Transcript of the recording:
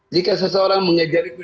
jika seseorang mengejariku